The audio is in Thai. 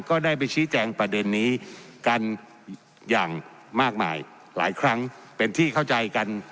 ก็ได้ไปชี้แจงประเด็นนี้กันอย่างมากมายหลายครั้งเป็นที่เข้าใจกัน